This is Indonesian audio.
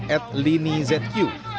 at lini zq